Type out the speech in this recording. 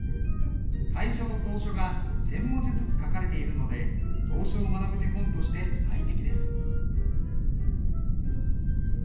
楷書と草書が千文字ずつ書かれているので草書を学ぶ手本として最適です。